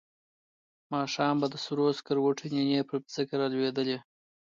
ماښام به د سرو سکروټو نینې پر ځمکه را لوېدې.